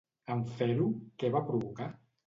En fer-ho, què va provocar?